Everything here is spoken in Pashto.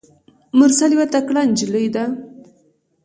مرسل یوه تکړه نجلۍ ده.